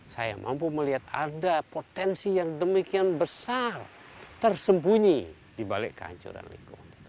saya mampu melihat ada potensi yang demikian besar tersembunyi di balik kehancuran lingkungan